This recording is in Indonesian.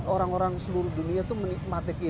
orang orang seluruh dunia itu menikmati